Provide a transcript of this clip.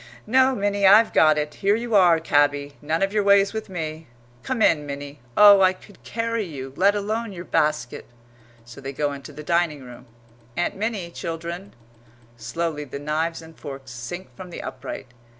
No, Minnie, I've got it; here you are, cabby none of your ways with me. Come in, Minnie. Oh, I could carry you, let alone your basket!" So they go into the dining room. "Aunt Minnie, children." Slowly the knives and forks sink from the upright.